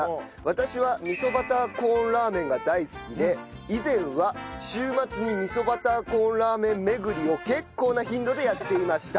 私は味噌バターコーンラーメンが大好きで以前は週末に味噌バターコーンラーメン巡りを結構な頻度でやっていました。